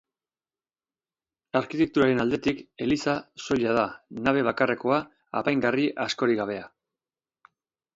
Arkitekturaren aldetik, eliza soila da, nabe bakarrekoa, apaingarri askorik gabea.